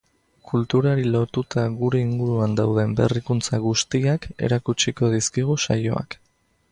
Kulturari lotuta gure inguruan dauden berrikuntza gustiak erakutsiko dizkigu saioak.